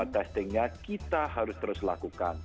testingnya kita harus terus lakukan